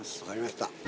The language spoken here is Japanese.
分かりました。